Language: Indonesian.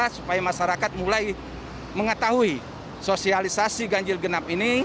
supaya masyarakat mulai mengetahui sosialisasi ganjil genap ini